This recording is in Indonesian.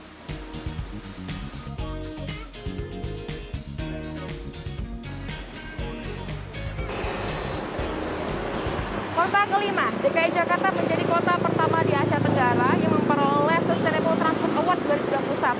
kota kelima dki jakarta menjadi kota pertama di asia tenggara yang memperoleh sustainable transport award dua ribu dua puluh satu